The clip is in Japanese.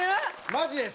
マジです。